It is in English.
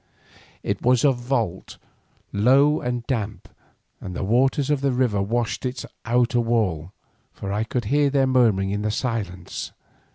It was a vault low and damp, and the waters of the river washed its outer wall, for I could hear their murmuring in the silence.